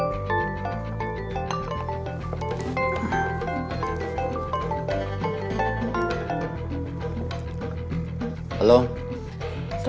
oke dong paham